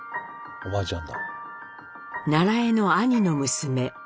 おばあちゃん。